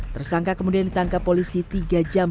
tersangka kemudian ditangkap polisi tiga jam